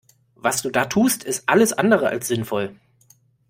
Was du da tust ist alles andere als sinnvoll.